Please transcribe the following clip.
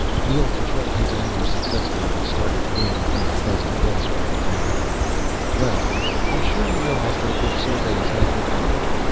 Neel controlled his anger successfully and started again, in his best classroom manner. "Well, I'm sure you realize that a good survey is half the problem.